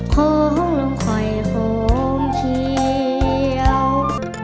โครงลงไข่โครงเขียว